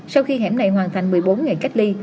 sau khi hẻm này hoàn thành một mươi bốn ngày cách ly